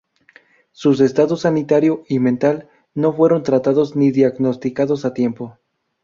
Sus estados sanitario y mental no fueron tratados ni diagnosticados a tiempo.